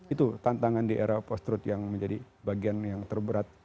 itu tantangan di era post truth yang menjadi bagian yang terberat